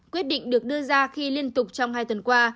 quyết định được đưa ra khi liên tục trong hai tuần qua